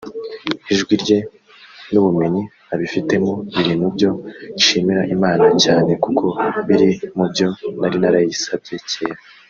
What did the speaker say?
Ijwi rye n’ubumenyi abifitemo biri mu byo nshimira Imana cyane kuko biri mu byo nari narayisabye cyera